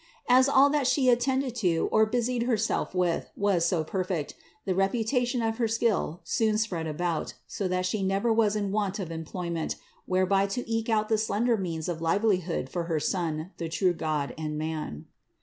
As all that She attended to or busied Herself with was so perfect, the reputation of her skill soon spread about, so that She never was in want of employment whereby to eke out the slender means of livelihood for her Son, the true God and man.